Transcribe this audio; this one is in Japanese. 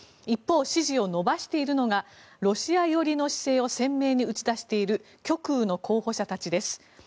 一方、支持を伸ばしているのがロシア寄りの姿勢を鮮明に打ち出している極右の候補者たちです。